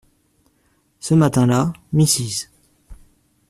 Ce matin-là, Mrs.